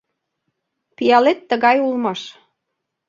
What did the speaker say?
— Пиалет тыгай улмаш.